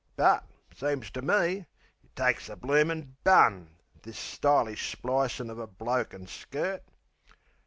But, seems to me, it takes the bloomin' bun, This stylish splicin' uv a bloke an' skirt.